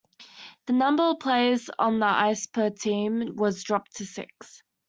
The number of players on the ice per team was dropped to six.